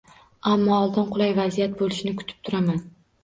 Ammo oldin qulay vaziyat bo'lishini kutib turaman